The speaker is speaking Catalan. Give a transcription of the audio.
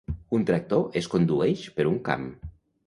Un tractor es condueix per un camp.